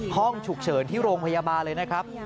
ห้องฉุกเฉินที่โรงพยาบาลเลยนะครับ